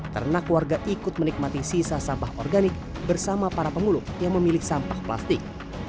ternak warga ikut menikmati sisa sampah organik bersama para pemulung yang memilih sampah plastik